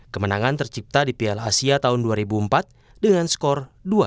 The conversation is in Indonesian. kemenangan tercipta di piala asia tahun dua ribu empat dengan skor dua satu